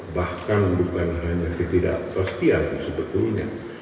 bahkan bukan hanya ketidakpastian sebetulnya